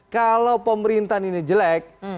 kalau pemerintahan ini jelek